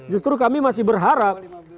justru kami masih berharap